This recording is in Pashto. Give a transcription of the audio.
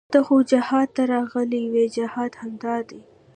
ته خو جهاد ته راغلى وې جهاد همدا دى.